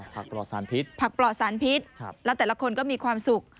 ปลอดสารพิษผักปลอดสารพิษแล้วแต่ละคนก็มีความสุข